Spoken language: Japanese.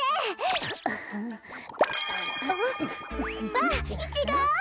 わあイチゴ！